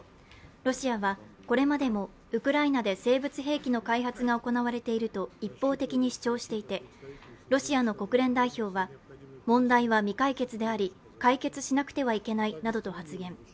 ロシアはこれまでもウクライナで生物兵器の開発が行われていると一方的に主張していて、ロシアの国連代表は、問題は未解決であり解決しなくてはいけないなどと発言。